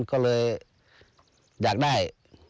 ก็เลยอยากได้